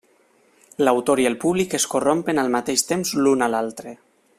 L'autor i el públic es corrompen al mateix temps l'un a l'altre.